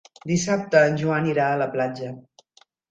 Dissabte en Joan irà a la platja.